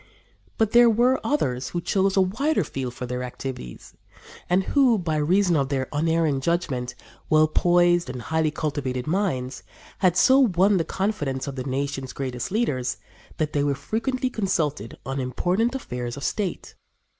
But there were others who chose a wider field for their activities, and who, by reason of their unerring judgment, well poised and highly cultivated minds, had so won the confidence of the nation's greatest leaders that they were frequently consulted on important affairs of state.